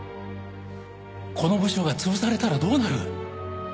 この部署が潰されたらどうなる？